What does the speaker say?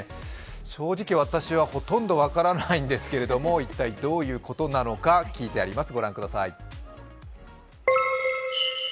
正直、私は、ほとんど分からないんですけれども一体、どういうことなのか聞いてあります。